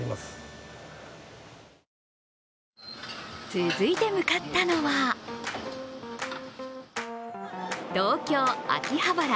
続いて向かったのは東京・秋葉原。